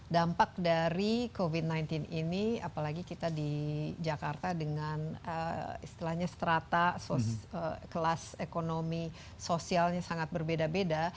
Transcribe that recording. dampak dari covid sembilan belas ini apalagi kita di jakarta dengan istilahnya strata kelas ekonomi sosialnya sangat berbeda beda